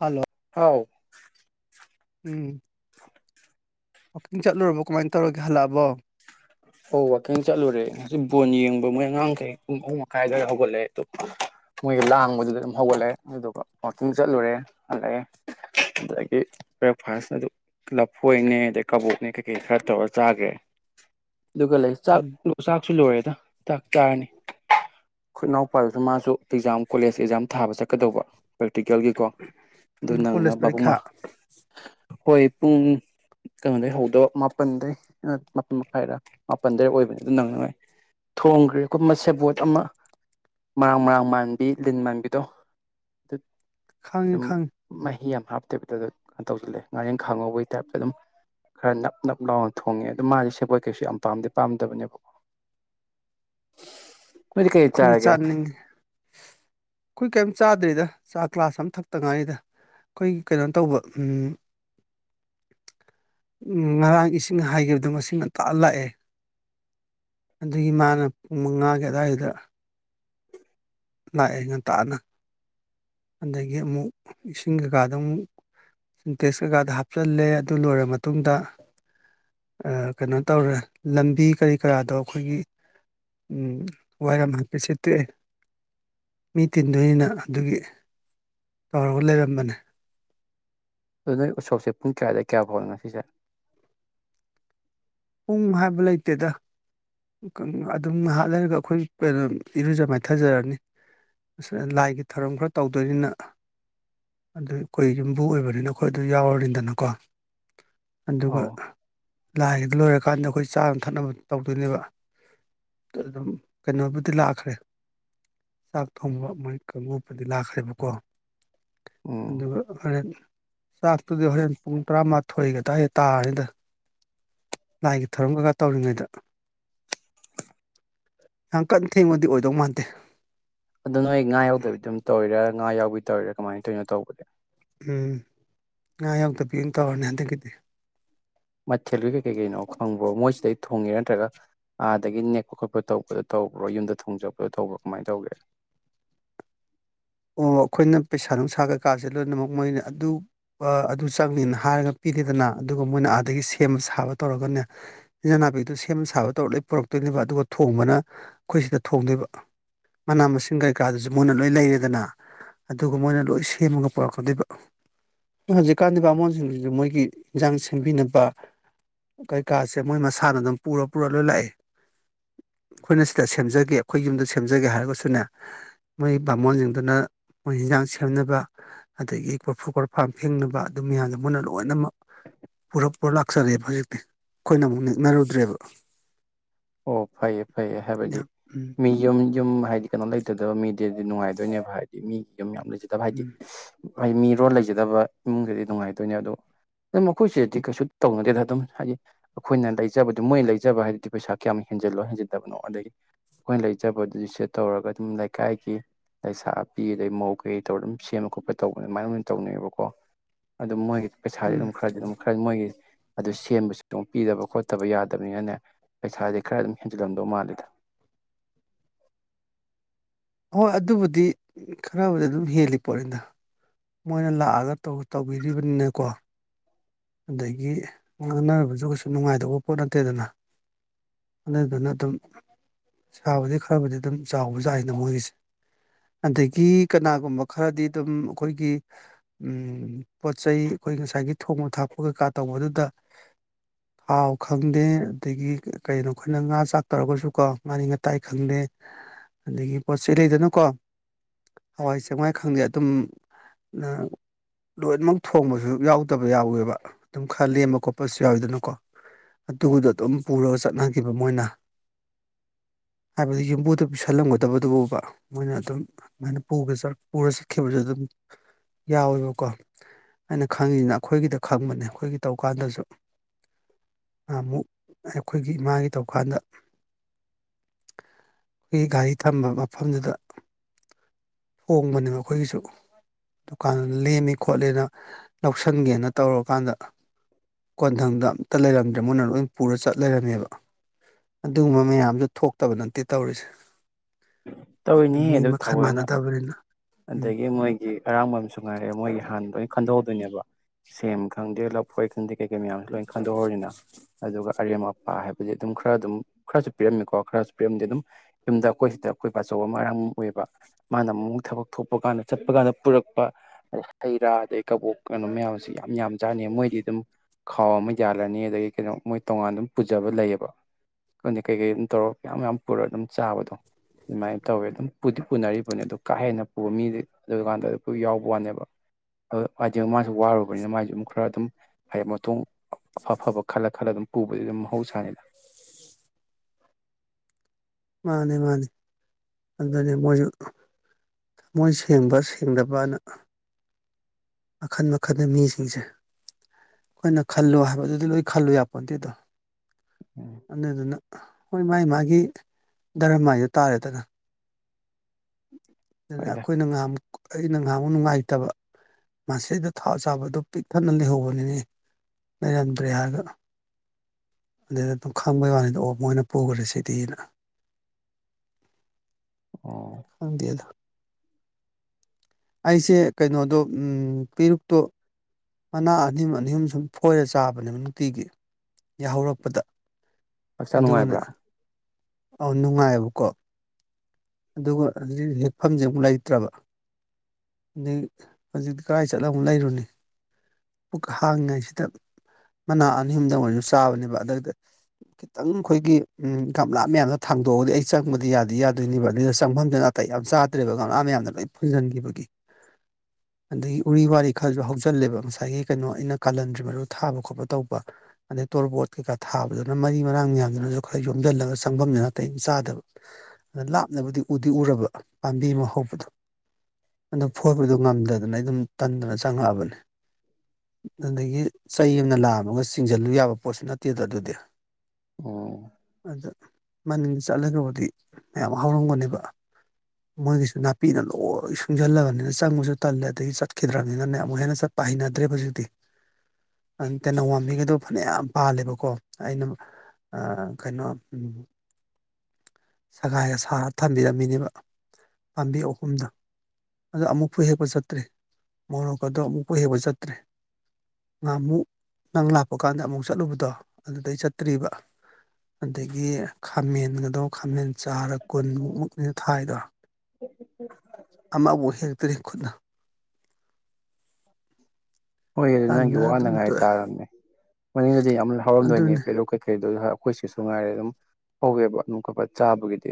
Hello ꯍꯥꯎ ꯎꯝ ꯋꯥꯛꯀꯤꯡ ꯆꯠꯂꯨꯔꯕꯣ ꯀꯃꯥꯏꯅ ꯇꯧꯔꯒꯦ ꯍꯜꯂꯛꯑꯕꯣ ꯑꯣ ꯋꯥꯛꯀꯤꯡ ꯆꯠꯂꯨꯔꯦ ꯉꯁꯤꯛ ꯕꯣꯟ ꯌꯦꯡꯕ ꯃꯣꯏ ꯑꯉꯥꯡꯈꯩ ꯄꯨꯡ ꯑꯍꯨꯝ ꯃꯈꯥꯏꯗ ꯍꯧꯒꯠꯂꯛꯑꯦ ꯑꯗꯨ ꯃꯣꯏꯒꯤ ꯂꯥꯡꯕꯗꯨꯗ ꯑꯗꯨꯝ ꯍꯧꯒꯠꯂꯛꯑꯦ ꯑꯗꯨꯗꯨꯒ ꯋꯥꯛꯀꯤꯡ ꯆꯠꯂꯨꯔꯦ ꯍꯜꯂꯛꯑꯦ ꯑꯗꯨꯗꯒꯤ ꯕ꯭ꯔꯦꯛꯐꯥꯁ ꯑꯗꯨ ꯂꯐꯣꯏꯅꯦ ꯑꯗꯩ ꯀꯕꯣꯛꯅꯦ ꯀꯩꯀꯩ ꯈꯔ ꯇꯧꯔ ꯆꯥꯈ꯭ꯔꯦ ꯑꯗꯨꯒ ꯂꯩ ꯆꯥꯛ ꯎꯝ ꯆꯥꯛꯁꯨ ꯂꯣꯏꯔꯦꯗ ꯆꯥꯛ ꯆꯥꯔꯅꯤ ꯈꯨꯠ ꯏꯅꯥꯎꯄꯥꯗꯨꯁꯨ ꯃꯥꯁꯨ ꯑꯦꯛꯖꯥꯝ ꯀꯣꯂꯦꯖ ꯑꯦꯛꯖꯥꯝ ꯊꯥꯕ ꯆꯠꯀꯗꯧꯕ ꯄ꯭ꯔꯦꯛꯇꯤꯀꯦꯜꯒꯤꯀꯣ ꯑꯗꯨ ꯎꯝ ꯀꯣꯂꯦꯖ ꯅꯪꯅꯕ ꯄꯔꯤꯈꯥ ꯕꯥꯕꯨꯡꯅ ꯍꯣꯏ ꯄꯨꯡ ꯀꯩꯅꯣꯗꯒꯤꯩ ꯍꯧꯗꯕ ꯃꯥꯄꯜꯗꯩ ꯍꯥꯏꯔ ꯃꯥꯄꯜꯗꯔꯦ ꯑꯣꯏꯕꯅꯤ ꯑꯗꯨ ꯅꯪꯅꯉꯥꯏ ꯊꯣꯡꯈ꯭ꯔꯦ ꯀꯨꯝꯕ ꯁꯦꯕꯣꯠ ꯑꯃ ꯃꯔꯥꯡ ꯃꯔꯥꯡ ꯃꯥꯟꯕꯤ ꯂꯤꯟ ꯃꯥꯟꯕꯤꯗꯣ ꯑꯗꯨ ꯈꯪꯉꯦ ꯑꯗꯨꯝ ꯈꯪꯉꯦ ꯃꯍꯤ ꯌꯥꯝ ꯍꯥꯞꯇꯦꯕꯗ ꯑꯗꯨ ꯀꯩꯅꯣ ꯇꯧꯁꯤꯜꯂꯦ ꯉꯥꯔꯦꯟ ꯈꯥꯡꯉꯧꯕꯒꯤ ꯇꯥꯏꯞꯇ ꯑꯗꯨꯝ ꯈꯔ ꯅꯞ ꯅꯞ ꯂꯥꯎꯅ ꯊꯣꯡꯉꯦ ꯑꯗꯨ ꯃꯥꯗꯤ ꯁꯦꯕꯣꯠ꯫ ꯀꯩꯁꯨ ꯌꯥꯝ ꯄꯥꯝꯗꯤ ꯄꯥꯝꯗꯕꯅꯦꯕꯀꯣ ꯑꯩꯈꯣꯏꯗꯤ ꯆꯥꯅꯤꯡꯉꯤ ꯑꯩꯈꯣꯏ ꯀꯩꯝ ꯆꯥꯗ꯭ꯔꯤꯗ ꯆꯥ ꯀ꯭ꯂꯥꯁ ꯑꯃ ꯊꯛꯇ ꯉꯥꯏꯔꯤꯗ ꯑꯩꯈꯣꯏꯒꯤ ꯀꯩꯅꯣ ꯇꯧꯕ ꯎꯝ ꯎ ꯉꯔꯥꯡ ꯏꯁꯤꯡ ꯍꯥꯏꯈꯤꯕꯗꯣ ꯅꯁꯤ ꯉꯟꯇꯥ ꯂꯥꯛꯑꯦ ꯑꯗꯨꯒꯤ ꯃꯥꯅ ꯄꯨꯡ ꯃꯉꯥꯒꯤ ꯑꯗꯨꯋꯥꯏꯗꯨꯗ ꯂꯥꯛꯑꯦ ꯉꯟꯇꯥꯥꯅ ꯑꯗꯒꯤ ꯑꯃꯨꯛ ꯏꯁꯤꯡ ꯀꯩꯀꯥꯗ ꯑꯃꯨꯛ ꯁꯤꯟꯇꯦꯛꯁ ꯀꯀꯥꯗ ꯍꯥꯞꯆꯜꯂꯦ ꯑꯗꯨ ꯂꯣꯏꯔꯕ ꯃꯇꯨꯡꯗ ꯑ ꯀꯩꯅꯣ ꯇꯧꯔꯦ ꯂꯝꯕꯤ ꯀꯔꯤ ꯀꯔꯥꯗꯣ ꯑꯩꯈꯣꯏꯒꯤ ꯎꯝ ꯋꯥꯏ ꯑꯃꯀꯤꯩꯁꯠꯇꯇꯩ ꯃꯤ ꯇꯤꯟꯗꯣꯏꯅꯤꯅ ꯑꯗꯨꯒꯤ ꯇꯧꯔꯒ ꯂꯩꯔꯝꯕꯅꯦ ꯑꯗꯨ ꯅꯣꯏ ꯎꯠꯁꯣꯞꯁꯦ ꯄꯨꯡ ꯀꯌꯥꯗ ꯀꯌꯥ ꯐꯥꯎꯅꯦ ꯉꯁꯤꯁꯦ ꯄꯨꯡ ꯍꯥꯏꯕ ꯂꯩꯇꯦꯗ ꯑꯗꯨꯝ ꯉꯍ ꯂꯩꯔꯒ ꯑꯩꯈꯣꯏ ꯀꯩꯅꯣ ꯏꯔꯨꯖ ꯃꯥꯏꯊꯖꯔꯅꯤ ꯂꯥꯏꯒꯤ ꯊꯧꯔꯝ ꯈꯔ ꯇꯧꯗꯣꯏꯅꯤꯅ ꯑꯗꯨ ꯑꯩꯈꯣꯏ ꯌꯨꯝꯕꯨ ꯑꯣꯏꯕꯅꯤꯅ ꯑꯩꯈꯣꯏ ꯑꯗꯨ ꯌꯥꯎꯔꯅꯤꯗꯅꯀꯣ ꯑꯗꯨꯒ ꯑꯧ ꯂꯥꯏꯒꯤꯗ ꯂꯣꯏꯔꯀꯥꯟꯗ ꯑꯩꯈꯣꯏ ꯆꯥꯅ ꯊꯛꯅꯕ ꯇꯧꯗꯣꯏꯅꯦꯕ ꯑꯗꯨꯝ ꯀꯩꯅꯣꯕꯨꯗꯤ ꯂꯥꯛꯈ꯭ꯔꯦ ꯆꯥꯛ ꯊꯣꯡꯕ ꯃꯣꯏ ꯀꯥꯡꯂꯨꯞꯄꯨꯗꯤ ꯂꯥꯛꯈ꯭ꯔꯦꯕꯀꯣ ꯎꯝ ꯑꯗꯨꯒ ꯍꯣꯔꯦꯟ ꯆꯥꯛꯇꯨꯗꯤ ꯍꯣꯔꯦꯟ ꯄꯨꯡ ꯇꯔꯥꯃꯥꯊꯣꯏꯒꯗꯥꯏ ꯇꯥꯔꯤꯅꯤꯗ ꯂꯥꯏꯒꯤ ꯊꯧꯔꯝ ꯀꯩꯀꯥ ꯇꯧꯔꯤꯉꯩꯗ ꯌꯥꯝ ꯀꯟꯅ ꯊꯦꯡꯕꯗꯤ ꯑꯣꯏꯗꯧ ꯃꯥꯟꯗꯦ ꯑꯗꯣ ꯅꯣꯏ ꯉꯥ ꯌꯥꯎꯗꯕꯤꯗꯤ ꯑꯗꯨꯝ ꯇꯧꯔꯤꯔꯥ ꯉꯥ ꯌꯥꯎꯕ ꯇꯧꯔꯤꯔꯥ ꯀꯃꯥꯏꯅ ꯇꯧꯔꯤꯅꯣ ꯇꯧꯕꯗꯤ ꯎꯝ ꯉꯥ ꯌꯥꯎꯗꯕꯤ ꯑꯣꯏ ꯇꯧꯔꯅꯤ ꯍꯟꯗꯛꯀꯤꯗꯤ ꯃꯊꯦꯜꯗꯤ ꯀꯩ ꯀꯩ ꯀꯩꯅꯣ ꯈꯪꯕ꯭ꯔꯣ ꯃꯣꯏꯁꯤꯗꯩ ꯊꯣꯡꯉꯤꯔ ꯅꯠꯇ꯭ꯔꯒ ꯑꯥꯗꯒꯤ ꯅꯦꯛꯄ ꯈꯣꯠꯄ ꯇꯧꯕꯗꯣ ꯇꯧꯕ꯭ꯔꯣ ꯌꯨꯝꯗ ꯊꯣꯡꯖꯕꯄꯗꯣ ꯇꯧꯕ꯭ꯔꯣ ꯀꯃꯥꯏꯅ ꯇꯧꯒꯦ ꯑꯣ ꯑꯩꯈꯣꯏꯅ ꯄꯩꯁꯥ ꯅꯨꯡꯁꯥ ꯀꯩꯀꯥꯥꯁꯦ ꯂꯣꯏꯅꯃꯛ ꯃꯣꯏꯅ ꯑꯗꯨ ꯑꯗꯨ ꯆꯪꯉꯅꯤꯅ ꯍꯥꯏꯔꯒ ꯄꯤꯔꯦꯗꯅ ꯑꯗꯨꯒ ꯃꯣꯏꯅ ꯑꯥꯗꯒꯤ ꯁꯦꯝꯕ ꯁꯥꯕ ꯇꯧꯔꯒꯅꯦ ꯏꯟꯖꯥꯡ ꯅꯥꯄꯤꯗꯨ ꯁꯦꯝ ꯁꯥꯕ ꯇꯧꯔ ꯂꯣꯏ ꯄꯨꯔꯛꯇꯣꯏꯅꯦꯕ ꯑꯗꯨꯒ ꯊꯣꯡꯕꯅ ꯑꯩꯈꯣꯏ ꯁꯤꯗ ꯊꯣꯡꯗꯣꯏꯕ ꯃꯅꯥ ꯃꯁꯤꯡ ꯀꯩꯀꯥꯗꯨꯁꯨ ꯃꯣꯏꯅ ꯂꯣꯏ ꯂꯩꯔꯦꯗꯅ ꯑꯗꯨꯒ ꯃꯣꯏꯅ ꯂꯣꯏ ꯁꯦꯝꯃꯒ ꯄꯨꯔꯛꯀꯗꯣꯏꯕ ꯍꯧꯖꯤꯛ ꯀꯥꯟꯗꯤ ꯕꯥꯃꯣꯟꯁꯤꯡꯁꯤꯁꯨ ꯃꯣꯏꯒꯤ ꯏꯟꯖꯥꯡ ꯁꯦꯝꯕꯤꯅꯕ ꯀꯩꯀꯥꯁꯦ ꯃꯣꯏ ꯃꯁꯥꯅ ꯑꯗꯨꯝ ꯄꯨꯔ ꯄꯨꯔ ꯂꯣꯏ ꯂꯥꯛꯑꯦ ꯑꯩꯈꯣꯏꯅ ꯁꯤꯗ ꯁꯦꯝꯖꯒꯦ ꯑꯩꯈꯣꯏ ꯌꯨꯝꯗ ꯁꯦꯝꯖꯒꯦ ꯍꯥꯏꯔꯒꯁꯨꯅꯦ ꯃꯣꯏ ꯕꯥꯃꯣꯟꯁꯤꯡꯗꯨꯅ ꯃꯣꯏ ꯌꯦꯟꯖꯥꯡ ꯁꯦꯝꯅꯕ ꯑꯗꯒꯤ ꯀꯣꯔꯐꯨ ꯀꯣꯔꯐꯥꯡ ꯐꯦꯡꯅꯕ ꯑꯗꯨ ꯃꯌꯥꯝꯗꯣ ꯃꯣꯏꯅ ꯂꯣꯏꯅꯃꯛ ꯄꯨꯔ ꯄꯨꯔ ꯂꯥꯛꯆꯔꯦꯕ ꯍꯧꯖꯤꯛꯇꯤ ꯑꯩꯈꯣꯏꯅ ꯑꯃꯨꯛ ꯅꯦꯛꯅꯔꯨꯗ꯭ꯔꯦꯕ ꯑꯣ ꯐꯩꯌꯦ ꯐꯩꯌꯦ ꯍꯥꯏꯕꯗꯤ ꯌꯥꯝ ꯎꯝ ꯃꯤ ꯌꯨꯝ ꯌꯨꯝ ꯍꯥꯏꯗꯤ ꯀꯩꯅꯣ ꯂꯩꯇꯗꯕ ꯃꯤꯗꯗꯤ ꯅꯨꯡꯉꯥꯏꯗꯣꯏꯅꯦꯕ ꯍꯥꯏꯗꯤ ꯃꯤꯒꯤ ꯌꯨꯝ ꯌꯥꯝ ꯂꯩꯖꯗꯕ ꯍꯥꯏꯗꯤ ꯎꯝ ꯑꯩ ꯃꯤꯔꯣꯜ ꯂꯩꯖꯗꯕ ꯏꯃꯨꯡꯗꯗꯤ ꯅꯨꯡꯉꯥꯏꯗꯣꯏꯅꯦ ꯑꯗꯣ ꯑꯗꯨꯝ ꯑꯈꯣꯏꯁꯤꯗꯤ ꯀꯩꯁꯨ ꯇꯧꯅꯗꯦꯗ ꯑꯗꯨꯝ ꯍꯥꯏꯗꯤ ꯑꯩꯈꯣꯏꯅ ꯂꯩꯖꯕꯗꯤ ꯃꯣꯏ ꯂꯩꯖꯕ ꯍꯥꯏꯔꯗꯤ ꯄꯩꯁꯥ ꯀꯌꯥꯝ ꯍꯦꯟꯖꯜꯂꯣ ꯍꯦꯟꯖꯤꯟꯗꯕꯅꯣ ꯑꯗꯒꯤ ꯑꯩꯈꯣꯏꯅ ꯂꯩꯖꯕꯗꯨ ꯁꯤꯗ ꯇꯧꯔꯒ ꯑꯗꯨꯝ ꯂꯩꯀꯥꯏꯒꯤ ꯂꯩꯁꯥ ꯄꯤ ꯑꯗꯩ ꯃꯧ ꯀꯩ ꯇꯧꯔꯒ ꯑꯗꯨꯝ ꯁꯦꯝꯕ ꯈꯣꯠꯄ ꯇꯧꯕꯅꯦ ꯑꯗꯨꯃꯥꯏꯅ ꯇꯧꯅꯩꯑꯕꯀꯣ ꯑꯗꯨ ꯃꯣꯏꯒꯤ ꯄꯩꯁꯥꯗꯤ ꯎꯝ ꯑꯗꯨꯝ ꯈꯔꯗꯤ ꯑꯗꯨꯝ ꯈꯔ ꯃꯣꯏꯒꯤ ꯑꯗꯨ ꯁꯦꯝꯕꯁꯨ ꯑꯗꯨꯝ ꯄꯤꯗꯕ ꯈꯣꯠꯇꯕ ꯌꯥꯗꯕꯅꯤꯅꯅꯦ ꯄꯩꯁꯥꯗꯤ ꯈꯔ ꯑꯗꯨꯝ ꯍꯦꯟꯖꯤꯜꯂꯝꯗꯧ ꯃꯥꯜꯂꯦꯗ ꯍꯣꯏ ꯑꯗꯨꯕꯨꯗꯤ ꯈꯔꯕꯨꯗꯤ ꯑꯗꯨꯝ ꯍꯦꯜꯂꯤ ꯄꯣꯠꯅꯤꯗ ꯃꯣꯏꯅ ꯂꯥꯛꯑꯒ ꯇꯧꯕꯤꯔꯤꯕꯅꯤꯅꯀꯣ ꯑꯗꯒꯤ ꯉꯥꯡꯅꯔꯕꯁꯨ ꯀꯩꯁꯨ ꯅꯨꯡꯉꯥꯏꯗꯧꯕ ꯄꯣꯠ ꯅꯠꯇꯦꯗꯅ ꯑꯗꯨꯗꯨꯅ ꯑꯗꯨꯝ ꯆꯥꯎꯕꯨꯗꯤ ꯈꯔꯕꯨꯗꯤ ꯑꯗꯨꯝ ꯆꯥꯎꯕꯖꯥꯠꯅꯦ ꯃꯣꯏꯒꯤꯁꯦ ꯑꯗꯒꯤ ꯀꯅꯥꯒꯨꯝꯕ ꯈꯔꯗꯤ ꯑꯗꯨꯝ ꯑꯩꯈꯣꯏꯒꯤ ꯎꯝ ꯄꯣꯠ ꯆꯩ ꯑꯩꯈꯣꯏ ꯉꯁꯥꯏꯒꯤ ꯊꯣꯡꯕ ꯊꯥꯛꯄ ꯀꯩꯀꯥ ꯇꯧꯕꯗꯨꯗ ꯊꯥꯎ ꯈꯪꯗꯦ ꯑꯗꯒꯤ ꯀꯩꯅꯣ ꯑꯩꯈꯣꯏꯅ ꯉꯥ ꯆꯥꯛ ꯇꯧꯔꯒꯁꯨ ꯀꯣ ꯉꯥꯔꯤ ꯉꯥꯇꯥꯏ ꯈꯪꯗꯦ ꯑꯗꯒꯤ ꯄꯣꯠ ꯆꯩ ꯂꯩꯗꯅꯨꯀꯣ ꯍꯋꯥꯏ ꯆꯦꯡꯋꯥꯏ ꯈꯪꯗꯦ ꯑꯗꯨꯝ ꯅꯥ ꯂꯣꯏꯅꯃꯛ ꯊꯣꯡꯕꯁꯨ ꯌꯥꯎꯗꯕ ꯌꯥꯎꯋꯦꯕ ꯑꯗꯨꯝ ꯈꯔ ꯂꯦꯝꯕ ꯈꯣꯠꯄꯁꯨ ꯌꯥꯎꯋꯤꯗꯅꯀꯣ ꯑꯗꯨꯗ ꯑꯗꯨꯝ ꯄꯨꯔꯒ ꯆꯠꯅꯒꯤꯕ ꯃꯣꯏꯅ ꯍꯥꯏꯕꯗꯤ ꯌꯨꯝꯕꯨꯗ ꯄꯤꯁꯜꯂꯝꯒꯗꯕꯗꯨꯕꯨꯕ ꯃꯣꯏꯅ ꯑꯗꯨꯝ ꯃꯥꯏꯅ ꯄꯨꯆꯠ ꯄꯨꯔ ꯆꯠꯈꯤꯕꯗꯨꯗ ꯗꯨꯝ ꯌꯥꯎꯋꯦꯕꯀꯣ ꯑꯩꯅ ꯈꯪꯉꯤꯁꯤꯅ ꯑꯩꯈꯣꯏꯒꯤꯗ ꯈꯪꯕꯅꯦ ꯑꯩꯈꯣꯏꯒꯤ ꯇꯧ ꯀꯥꯟꯗꯁꯨ ꯑꯃꯨꯛ ꯑꯩꯈꯣꯏꯒꯤ ꯏꯃꯥꯒꯤ ꯇꯧꯀꯥꯟꯗ ꯑꯩꯒꯤ ꯒꯥꯔꯤ ꯊꯝꯕ ꯃꯐꯝꯗꯨꯗ ꯀꯣꯡꯕꯅꯦꯕ ꯑꯩꯈꯣꯏꯒꯤꯁꯨ ꯗꯨꯀꯥꯟ ꯂꯦꯝꯃꯤ ꯈꯣꯠꯂꯦꯅ ꯂꯧꯁꯟꯒꯦꯅ ꯇꯧꯔꯥꯀꯥꯟꯗ ꯀꯣꯟꯗꯪꯗ ꯑꯝꯇ ꯂꯩꯔꯝꯗ꯭ꯔꯦ ꯃꯣꯏꯅ ꯂꯣꯏ ꯄꯨꯔ ꯆꯠ ꯂꯩꯔꯝꯃꯦꯕ ꯑꯗꯨꯒꯨꯝꯕ ꯃꯌꯥꯝꯖꯨ ꯊꯣꯛꯇꯕ ꯅꯠꯇꯦ ꯇꯧꯔꯤꯁꯦ꯫ ꯇꯧꯏꯅꯦꯍꯦ ꯃꯤ ꯑꯗꯨꯝ ꯃꯈꯜ ꯊꯑꯣꯏꯅ ꯃꯥꯟꯅꯗꯕꯅꯤꯅ ꯎꯝ ꯑꯗꯒꯤ ꯃꯣꯏꯒꯤ ꯑꯔꯥꯡꯕꯝꯁꯨ ꯉꯥꯏꯔꯦ ꯃꯣꯏꯒꯤ ꯍꯥꯟꯅꯗ ꯂꯣꯏꯅ ꯈꯟꯗꯣꯛꯍꯧꯗꯣꯏꯅꯦꯕ ꯁꯦꯝ ꯈꯪꯗꯦ ꯂꯥꯐꯣꯏ ꯈꯪꯗꯦ ꯀꯩ ꯀꯩ ꯃꯌꯥꯝꯁꯨ ꯂꯣꯏ ꯈꯟꯗꯣꯛꯍꯧꯔꯅꯤꯅ ꯑꯗꯨꯒ ꯑꯔꯦꯝ ꯑꯄꯥ ꯍꯥꯏꯕꯗꯤ ꯑꯗꯨꯝ ꯈꯔ ꯑꯗꯨꯝ ꯈꯔꯁꯨ ꯄꯤꯔꯝꯃꯤꯀꯣ ꯈꯔꯁꯨ ꯄꯤꯔꯝꯗꯦ ꯑꯗꯨꯝ ꯌꯨꯝꯗ ꯑꯩꯈꯣꯏ ꯁꯤꯗ ꯑꯩꯈꯣꯏ ꯕꯥꯆꯧ ꯑꯃ ꯑꯔꯥꯝꯕꯝ ꯑꯣꯏꯕ ꯃꯥꯅ ꯃꯨꯛ ꯊꯕꯛ ꯊꯣꯛꯄ ꯀꯥꯟꯗ ꯆꯠꯄ ꯀꯥꯟꯗ ꯄꯨꯔꯛꯄ ꯍꯩꯔꯥ ꯑꯗꯩ ꯀꯕꯣꯛ ꯀꯩꯅꯣ ꯃꯌꯥꯝꯁꯤ ꯌꯥꯝ ꯌꯥꯝꯖꯥꯠꯅꯤ ꯃꯣꯏꯗꯤ ꯑꯗꯨꯝ ꯈꯥꯎ ꯑꯃ ꯌꯥꯜꯂꯅꯤ ꯑꯗꯒꯤ ꯀꯩꯅꯣ ꯃꯣꯏ ꯇꯣꯉꯥꯟ ꯑꯗꯨꯝ ꯄꯨꯖꯕ ꯂꯩꯌꯦꯕ ꯈꯪꯗꯦ ꯀꯩꯀꯩ ꯑꯗꯨꯝ ꯇꯧꯔꯒ ꯌꯥꯝ ꯌꯥꯝ ꯄꯨꯔꯒ ꯑꯗꯨꯝ ꯆꯥꯕꯗꯣ ꯑꯗꯨꯃꯥꯏꯅ ꯇꯧꯋꯦ ꯑꯗꯨꯝ ꯄꯨꯗꯤ ꯄꯨꯅꯔꯤꯕꯣꯅꯦ ꯑꯗꯨ ꯀꯥ ꯍꯦꯟꯅ ꯄꯨꯕ ꯃꯤꯗꯤ ꯑꯗꯨ ꯀꯥꯟꯗ ꯑꯗꯨ ꯄꯨ ꯌꯥꯎꯕ ꯋꯥꯅꯦꯕ ꯑ ꯍꯥꯏꯗꯤ ꯃꯥꯁꯨ ꯋꯥꯔꯨꯕꯅꯤꯅ ꯃꯥꯏꯁꯨ ꯃꯨꯛ ꯈꯔ ꯑꯗꯨꯝ ꯍꯥꯏꯔꯞ ꯃꯇꯣꯡ ꯑꯐ ꯑꯐꯕ ꯈꯜꯂ ꯈꯜꯂ ꯑꯗꯨꯝ ꯄꯨꯕꯗꯤ ꯑꯗꯨꯝ ꯃꯍꯧꯁꯥꯅꯤꯗ ꯃꯥꯅꯤ ꯃꯥꯅꯤ ꯑꯗꯨꯗꯅꯦ ꯃꯣꯏꯁꯨ ꯃꯣꯏ ꯁꯦꯡꯕ ꯁꯦꯡꯗꯕꯅ ꯃꯈꯟ ꯃꯈꯟꯅꯦ ꯃꯤꯁꯤꯡꯁꯦ ꯑꯩꯈꯣꯏꯅ ꯈꯜꯂꯨ ꯍꯥꯏꯕꯗꯨꯗꯤ ꯂꯣꯏ ꯈꯜꯂꯨ ꯌꯥꯄꯣꯟꯇꯦꯗꯣ ꯎꯝ ꯑꯗꯨꯗꯨꯅ ꯍꯣꯏ ꯃꯥꯥꯏ ꯃꯥꯒꯤ ꯗ꯭ꯔꯥꯃ ꯍꯥꯏꯗꯣ ꯇꯥꯔꯦꯗꯅ ꯑꯗꯨꯅꯦ ꯍꯣꯏꯗ ꯑꯩꯈꯣꯏꯅ ꯉꯥꯃꯨꯛ ꯑꯩꯅ ꯉꯥꯍꯃꯨꯛ ꯃꯨꯛ ꯅꯨꯡꯉꯥꯏꯇꯕ ꯃꯁꯤꯗ ꯊꯥꯎ ꯆꯥꯕꯗꯣ ꯄꯤꯛꯊꯅ ꯂꯩꯍꯧꯕꯅꯤꯅꯦ ꯂꯩꯔꯝꯗ꯭ꯔꯦ ꯍꯥꯏꯒ ꯑꯗꯨꯗ ꯗꯨꯝ ꯈꯪꯕꯩ ꯋꯥꯅꯤꯗ ꯑꯣ ꯃꯣꯏꯅ ꯄꯨꯈ꯭ꯔꯦ ꯁꯤꯗꯤꯅ ꯑꯣ ꯈꯪꯗꯦꯗ ꯑꯩꯁꯦ ꯀꯩꯅꯣꯗꯣ ꯎꯝ ꯄꯦꯔꯨꯛꯇꯣ ꯃꯅꯥ ꯑꯅꯤꯍꯨꯝ ꯑꯅꯤꯍꯨꯝ ꯁꯨꯝ ꯐꯣꯏꯔ ꯆꯥꯕꯅꯦꯕ ꯅꯨꯡꯇꯤꯒꯤ ꯌꯥꯍꯧꯔꯛꯄꯗ ꯍꯛꯆꯥꯡ ꯑꯗꯨꯒꯅꯦ ꯅꯨꯡꯉꯥꯏꯕ꯭ꯔꯥ ꯑꯧ ꯅꯨꯡꯉꯥꯏꯌꯦꯕꯀꯣ ꯑꯗꯨꯒ ꯍꯧꯖꯤꯛ ꯍꯦꯛꯐꯝꯁꯦ ꯑꯃꯨꯛ ꯂꯩꯇ꯭ꯔꯕ ꯑꯗꯩ ꯍꯧꯖꯤꯛꯇꯤ ꯀꯥꯏ ꯆꯠꯂ ꯑꯃꯨꯛ ꯂꯩꯔꯨꯅꯤ ꯄꯨꯛ ꯍꯥꯡꯉꯤꯉꯩꯁꯤꯗ ꯃꯅꯥ ꯑꯅꯤ ꯍꯨꯝꯗꯪ ꯑꯣꯏꯔꯁꯨ ꯆꯥꯕꯅꯦꯕ ꯑꯗꯨꯗ ꯈꯤꯇꯪ ꯈꯣꯏꯒꯤ ꯎꯝ ꯒꯝꯂꯥꯞ ꯃꯌꯥꯝꯗ ꯊꯥꯡꯗꯣꯛꯑꯒꯗꯤ ꯑꯩ ꯆꯪꯕꯗꯤ ꯌꯥꯗꯤ ꯌꯥꯗꯣꯏꯅꯦꯕ ꯆꯪꯐꯝꯁꯦ ꯅꯥꯇꯩ ꯌꯥꯝ ꯆꯥꯗ꯭ꯔꯦꯕ ꯒꯝꯂꯥ ꯃꯌꯥꯝꯅ ꯂꯣꯏ ꯐꯨꯖꯤꯟꯈꯤꯕꯒꯤ ꯑꯗꯒꯤ ꯎꯔꯤ ꯋꯥꯔꯤ ꯈꯔꯁꯨ ꯍꯧꯖꯤꯜꯂꯦꯕ ꯉꯁꯥꯏꯒꯤ ꯀꯩꯅꯣ ꯑꯩꯅ ꯀꯥꯜꯍꯟꯗ꯭ꯔꯤ ꯃꯔꯨ ꯊꯥꯕ ꯈꯣꯠꯄ ꯇꯧꯕ ꯑꯗꯩ ꯇꯣꯔꯕꯣꯠ ꯀꯩꯀꯥ ꯊꯥꯕꯗꯨꯅ ꯃꯔꯤ ꯃꯔꯥꯡ ꯃꯌꯥꯝꯗꯨꯅꯁꯨ ꯈꯔ ꯌꯣꯝꯁꯤꯜꯂꯒ ꯆꯪꯐꯝꯁꯤ ꯅꯥꯇꯩ ꯆꯥꯗꯕ ꯑ ꯂꯥꯞꯅꯕꯨꯗꯤ ꯎꯗꯤ ꯎꯔꯕ ꯄꯥꯝꯕꯤ ꯑꯃ ꯍꯧꯕꯗꯣ ꯑꯗꯨ ꯐꯣꯏꯕꯗꯨ ꯉꯝꯗꯗꯅ ꯑꯩ ꯑꯗꯨꯝ ꯇꯟꯗꯅ ꯆꯪꯉꯛꯑꯕꯅꯤ ꯑꯗꯨꯗꯒꯤ ꯆꯩ ꯑꯃꯅ ꯂꯥꯛꯑꯃꯒ ꯆꯤꯡꯁꯤꯜꯂꯨ ꯌꯥꯕ ꯄꯣꯠꯁꯨ ꯅꯠꯇꯦꯗ ꯑꯗꯨꯗꯤ ꯑꯣ ꯑꯗ ꯃꯅꯤꯡꯗ ꯆꯠꯂꯒꯕꯨꯗꯤ ꯃꯌꯥꯝ ꯍꯥꯎꯔꯝꯒꯅꯦꯕ ꯃꯣꯏꯒꯤꯁꯨ ꯅꯥꯄꯤꯅ ꯂꯣꯏ ꯁꯨꯡꯁꯜꯂꯕꯅꯤꯅ ꯆꯪꯕꯁꯨ ꯇꯜꯂꯦ ꯑꯗꯒꯤ ꯆꯠꯈꯤꯗ꯭ꯔꯕꯅꯤꯅꯅꯦ ꯑꯃꯨꯛ ꯍꯦꯟꯅ ꯆꯠ ꯄꯥꯏꯅꯗ꯭ꯔꯦ ꯍꯧꯖꯤꯛꯇꯤ ꯇꯦꯅꯧꯋꯥꯕꯤꯒꯗꯣ ꯐꯅꯌꯥꯝ ꯄꯥꯜꯂꯦꯕꯀꯣ ꯑꯩꯅ ꯑ ꯀꯩꯅꯣ [unintelligible] ꯊꯥꯔ ꯊꯝꯕꯤꯔꯝꯃꯤꯅꯦꯕ ꯄꯥꯝꯕꯤ ꯑꯍꯨꯝꯗꯣ ꯑꯗꯣ ꯑꯃꯨꯛꯐꯥꯎ ꯍꯦꯛꯄ ꯆꯠꯇ꯭ꯔꯤ ꯃꯣꯔꯣꯛ ꯑꯗꯨ ꯑꯃꯨꯛꯐꯥꯎ ꯍꯦꯛꯄ ꯆꯠꯇ꯭ꯔꯦ ꯉꯍꯥꯃꯨꯛ ꯅꯪ ꯂꯥꯛꯄ ꯀꯥꯟꯗ ꯑꯃꯨꯛ ꯆꯠꯂꯨꯕꯗꯣ ꯑꯗꯨꯗꯩ ꯆꯠꯇ꯭ꯔꯤꯕ ꯑꯗꯒꯤ ꯈꯥꯃꯦꯟꯒꯗꯣ ꯈꯥꯃꯦꯟ ꯆꯥ ꯀꯨꯟꯃꯨꯛꯃꯨꯛꯅꯤꯅ ꯊꯥꯏꯗ ꯑꯃꯕꯨꯥꯎ ꯍꯦꯛꯇ꯭ꯔꯤ ꯈꯨꯠꯅ ꯍꯣꯏ ꯑꯗꯨ ꯅꯪꯒꯤ ꯇꯟꯗꯅ ꯑꯗꯨꯝ ꯋꯥꯅꯉꯥꯏ ꯇꯣꯛꯑꯦ ꯇꯥꯔꯝꯃꯦ ꯃꯅꯤꯡꯗꯨꯗꯤ ꯌꯥꯝ ꯍꯥꯎꯔꯝꯗꯣꯏꯅꯦ ꯑꯗꯨꯅꯤ ꯄꯦꯔꯣꯛ ꯀꯩꯀꯩꯗꯨ ꯑꯩꯈꯣꯏꯁꯤꯁꯨ ꯉꯥꯏꯔꯦ ꯑꯗꯨꯝ ꯍꯧꯋꯦꯕ ꯑꯗꯨꯝ ꯈꯣꯠꯄ ꯆꯥꯕꯒꯤꯗꯤ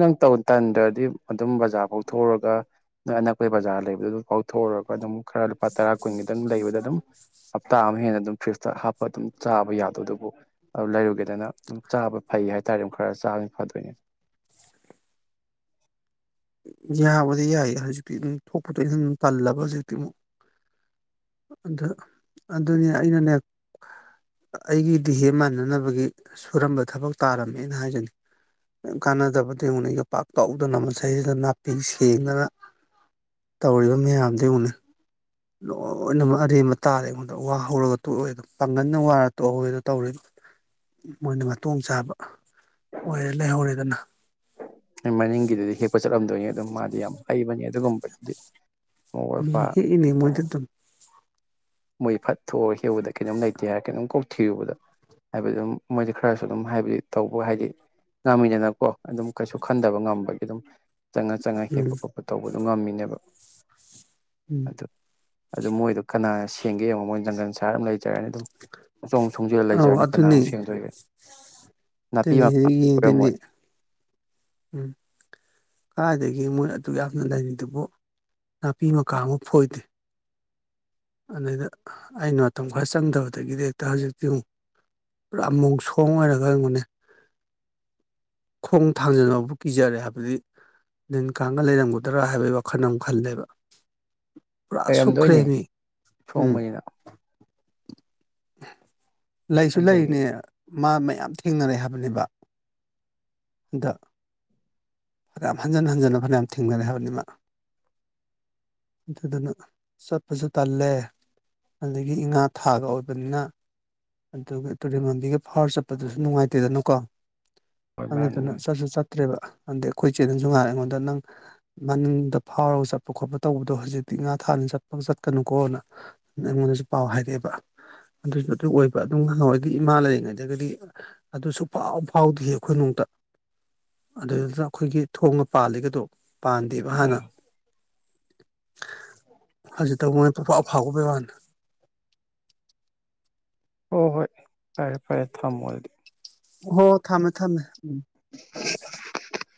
ꯅꯪ ꯇꯟꯗ꯭ꯔꯗꯤ ꯑꯗꯨꯝ ꯕꯖꯥꯔ ꯐꯥꯎꯊꯣꯎꯔꯒ ꯑ ꯑꯅꯛꯄꯒꯤ ꯕꯖꯥꯔ ꯂꯩꯕꯗꯨ ꯑꯗꯨ ꯐꯥꯎꯊꯎꯨꯔꯒ ꯑꯗꯨꯝ ꯈꯔ ꯂꯨꯄꯥ ꯇꯔꯥ ꯀꯨꯟꯒꯤꯗꯪ ꯂꯩꯕꯗ ꯑꯗꯨꯝ ꯍꯞꯇꯥ ꯑꯃ ꯍꯦꯟꯅ ꯑꯗꯨꯝ ꯐ꯭ꯔꯤꯖꯇ ꯍꯥꯞꯄ ꯑꯗꯨꯝ ꯆꯥꯕ ꯌꯥꯗꯣ ꯑꯗꯨꯕꯨ ꯑꯗꯨ ꯂꯩꯔꯨꯒꯦꯗꯅ ꯑꯗꯨꯝ ꯆꯥꯕ ꯐꯩ ꯍꯥꯏꯇꯥꯔꯦ ꯑꯗꯨꯝ ꯈꯔ ꯆꯥꯕ ꯐꯗꯣꯏꯅꯦ ꯌꯥꯕꯗꯤ ꯌꯥꯏꯌꯦ ꯍꯧꯖꯤꯛꯇꯤ ꯑꯗꯨꯝ ꯊꯣꯛꯄꯗ ꯑꯩꯅ ꯑꯗꯨꯝ ꯇꯜꯂꯕ ꯍꯧꯖꯤꯛꯇꯤ ꯑꯃꯨꯛ ꯑꯗꯨ ꯑꯗꯨꯅꯦ ꯑꯩꯅꯅꯦ ꯑꯩꯒꯤꯗꯤ ꯍꯦ ꯃꯥꯟꯅꯅꯕꯒꯤ ꯁꯨꯔꯝꯕ ꯊꯕꯛ ꯇꯥꯔꯝꯃꯦꯅ ꯍꯥꯏꯖꯅꯤꯡꯏ ꯌꯥꯝ ꯀꯥꯟꯅꯖꯕꯗꯤ ꯍꯧꯅꯩ ꯌꯣ ꯄꯥꯛꯇꯎꯗꯅ ꯁꯤꯗꯩꯁꯤꯗ ꯅꯥꯄꯤ ꯁꯦꯡꯗꯅ ꯇꯧꯔꯤꯕ ꯃꯌꯥꯝꯗꯨ ꯎꯨꯅꯤ ꯂꯣꯏꯅꯃꯛ ꯑꯔꯦꯝꯕ ꯇꯥꯔꯦ ꯑꯩꯉꯣꯟꯗ ꯋꯥ ꯍꯧꯔꯒ ꯇꯣꯛꯂꯦ ꯑꯗꯨꯝ ꯄꯪꯒꯟꯗ ꯋꯥꯔ ꯇꯣꯛꯍꯋꯦꯗꯣ ꯇꯧꯔꯤ ꯃꯣꯏꯅ ꯃꯇꯣꯡ ꯆꯥꯕ ꯑꯣꯏꯔꯦ ꯂꯩꯍꯧꯔꯦꯗꯅ ꯃꯅꯤꯡꯒꯤꯗꯨꯗꯤ ꯍꯦꯛꯄ ꯆꯠꯂꯝꯗꯣꯏꯅꯤ ꯑꯗꯨꯝ ꯃꯥꯗꯤ ꯌꯥꯝ ꯍꯩꯕꯅꯤ ꯑꯗꯨꯒꯨꯝꯕꯗꯤ ꯎ ꯍꯦ ꯏꯅꯦ ꯃꯣꯏꯗꯤ ꯑꯗꯨꯝ ꯃꯣꯏ ꯐꯠꯊꯣꯛꯑꯒ ꯍꯦꯎꯨꯗ ꯀꯩꯅꯣꯝꯇꯦ ꯍꯥꯏꯔ ꯀꯩꯅꯣꯝ ꯀꯣꯛ ꯊꯤꯔꯨꯕꯗ ꯍꯥꯏꯕꯗꯤ ꯑꯗꯨꯝ ꯃꯣꯏꯗꯤ ꯈꯔꯁꯨ ꯑꯗꯨꯝ ꯍꯥꯏꯕꯗꯤ ꯇꯧꯕ ꯍꯥꯏꯗꯤ ꯉꯝꯃꯤꯗꯅꯀꯣ ꯑꯗꯨꯝ ꯀꯩꯁꯨ ꯈꯟꯗꯕ ꯉꯝꯕꯒꯤ ꯑꯗꯨꯝ ꯆꯪꯉ ꯆꯪꯉ ꯎꯝ ꯍꯦꯛꯄ ꯈꯣꯠꯄ ꯇꯧꯕꯗꯨꯣ ꯉꯝꯃꯤꯅꯦꯕ ꯎꯝ ꯑꯗꯨ ꯑꯗꯨ ꯃꯣꯏꯗꯣ ꯀꯅꯥꯅ ꯁꯦꯡꯒꯦ ꯌꯦꯡꯉꯣ ꯃꯣꯏꯅ ꯖꯪꯒꯜ ꯁꯥꯍꯔ ꯑꯃ ꯂꯩꯇ ꯖꯔꯅꯤ ꯑꯗꯨꯝ ꯑꯆꯣꯡ ꯁꯣꯡꯖꯤꯜꯂ ꯑꯧ ꯂꯩꯖꯔꯅꯤ ꯀꯅꯥꯃꯨꯛ ꯁꯦꯡꯗꯣꯏꯒꯦ ꯑꯗꯨꯗꯤ ꯍꯧꯖꯤꯛ ꯌꯦꯡꯗꯣꯏꯅꯦ ꯎꯝ ꯀꯥꯏꯗꯒꯤ ꯃꯣꯏꯅ ꯑꯗꯨꯛ ꯌꯥꯝꯅ ꯂꯩꯔꯤꯗꯨꯕꯨ ꯅꯥꯄꯤ ꯃꯀꯥ ꯑꯃ ꯐꯣꯏꯗꯦ ꯑꯗꯨꯗꯩꯗ ꯑꯩꯅ ꯃꯇꯝ ꯈꯔ ꯆꯪꯗꯕꯗꯒꯤꯗꯤ ꯍꯦꯛꯇ ꯍꯧꯖꯤꯛꯇꯤ ꯑꯃꯨꯛ ꯄꯨꯔꯥ ꯃꯣꯡ ꯁꯣꯡ ꯑꯣꯏꯔꯒ ꯑꯩꯪꯕꯅꯦ ꯈꯣꯡ ꯊꯥꯡꯖꯅꯕꯕꯨ ꯀꯤꯖꯔꯦ ꯍꯥꯏꯕꯗꯤ ꯂꯤꯟ ꯀꯥꯡꯒ ꯂꯩꯔꯝꯒꯗ꯭ꯔꯥ ꯍꯥꯏꯕꯒꯤ ꯋꯥꯈꯜ ꯑꯃ ꯈꯜꯂꯦꯕ ꯄꯨꯔꯥ ꯁꯣꯛꯈ꯭ꯔꯦ ꯂꯩꯔꯝꯗꯣꯏꯅꯤ ꯃꯤ ꯁꯣꯡꯕꯅꯤꯅ ꯂꯩꯁꯨ ꯑꯗꯒꯤ ꯂꯩꯔꯤꯅꯦ ꯃꯥ ꯃꯌꯥꯝ ꯊꯦꯡꯅꯔꯦ ꯍꯥꯏꯕꯅꯦꯕ ꯗ ꯌꯥꯝ ꯍꯟꯖꯤꯟ ꯍꯟꯖꯤꯟꯅ ꯐꯅꯌꯥꯝ ꯊꯦꯡꯅꯔꯦ ꯍꯥꯏꯕꯅꯤꯃ ꯑꯗꯨꯗꯨꯅ ꯆꯠꯄꯗꯨ ꯇꯜꯂꯦ ꯑꯗꯨꯗꯒꯤ ꯏꯉꯥ ꯊꯥꯒ ꯑꯣꯏꯕꯅꯤꯅ ꯑꯗꯨꯒ ꯇꯨꯔꯦꯟ ꯃꯕꯤꯒ ꯐꯥꯎꯔ ꯆꯠꯄꯗꯨꯁꯨ ꯅꯨꯡꯉꯥꯏꯇꯦꯗꯅꯀꯣ ꯍꯣꯏ ꯃꯥꯅꯤ ꯑꯗꯨꯗꯨꯅ ꯃꯥꯅꯤ ꯆꯠꯁꯨ ꯆꯠꯇ꯭ꯔꯦꯕ ꯑꯗꯩ ꯑꯩꯈꯣꯏ ꯏꯆꯦꯗꯁꯨ ꯉꯥꯏꯔꯦ ꯑꯩꯉꯣꯟꯗ ꯅꯪ ꯃꯅꯨꯡꯗ ꯐꯥꯎꯔꯒ ꯆꯠꯄ ꯈꯣꯠꯄ ꯇꯧꯕꯗꯣ ꯍꯧꯖꯤꯛꯇꯤ ꯉꯥ ꯊꯥꯅ ꯆꯠꯄꯒ ꯆꯠ ꯀꯩꯅꯨꯀꯣꯅ ꯑꯩꯉꯣꯟꯗꯁꯨ ꯄꯥꯎ ꯍꯥꯏꯔꯛꯑꯦꯕ ꯑꯗꯨꯁꯨ ꯑꯗꯨ ꯑꯣꯏꯕ ꯑꯗꯨꯝ ꯉꯥꯏꯍ ꯑꯣꯏꯣꯏꯗꯤ ꯏꯃꯥ ꯂꯩꯔꯤꯉꯩꯗꯒꯗꯤ ꯑꯗꯨꯁꯨ ꯐꯥꯎ ꯐꯥꯎꯗ ꯑꯩꯈꯣꯏ ꯅꯨꯡꯇ ꯑꯗꯨꯗꯨꯅ ꯑꯩꯈꯣꯏꯒꯤ ꯊꯣꯡꯒ ꯄꯥꯜꯂꯤꯒꯗꯣ ꯄꯥꯟꯗꯦꯕ ꯍꯥꯟꯅ ꯎꯝ ꯇ ꯃꯣꯏ ꯄꯨꯐꯥꯎꯗ ꯋꯥꯅꯤ ꯍꯣꯏ ꯍꯣꯏ ꯐꯔꯦ ꯐꯔꯦ ꯊꯝꯃꯣ ꯑꯗꯨꯗꯤ ꯍꯣ ꯊꯝꯃꯦ ꯊꯝꯃꯦ ꯎꯝ [inaudible]